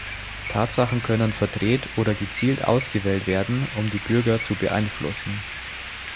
Tatsachen können verdreht oder gezielt ausgewählt werden, um die Bürger zu beeinflussen.